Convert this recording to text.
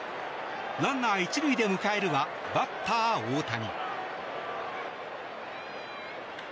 ランナー１塁で迎えるはバッター大谷。